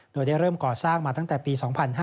โดยได้เริ่มก่อสร้างมาตั้งแต่ปี๒๕๕๙